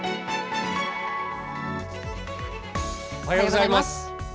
「おはようございます」。